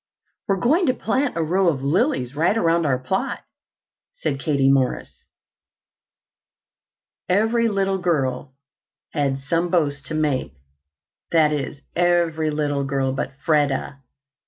"We're going to plant a row of lilies right around our plot," said Katie Morris. Every little girl had some boast to make, that is, every little girl but Freda.